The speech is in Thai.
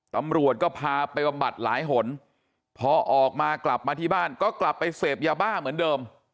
ตำรวจก็พาไปบำบัดหลายหนพอออกมากลับมาที่บ้านก็กลับไปเสพยาบ้าเหมือนเดิม